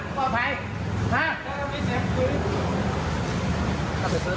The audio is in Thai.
ออกมาไม่มีใครทำอะไรอีกหนึ่ง